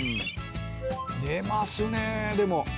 寝ますねでも。